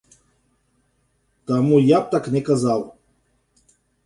Таму я б так не сказаў.